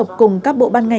phải do các bệnh viện